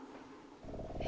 え